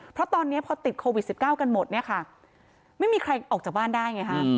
เพราะตอนนี้พอติดโควิด๑๙กันหมดเนี่ยค่ะไม่มีใครออกจากบ้านได้ไงฮะ